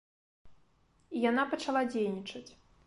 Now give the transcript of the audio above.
І яна пачала дзейнічаць.